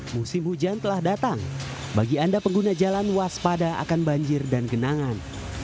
musim hujan telah datang bagi anda pengguna jalan waspada akan banjir dan genangan